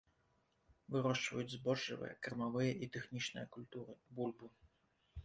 Вырошчваюць збожжавыя, кармавыя і тэхнічныя культуры, бульбу.